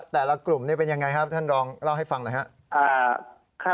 แต่ละกลุ่มเป็นยังไงครับท่านลองเล่าให้ฟังหน่อยครับ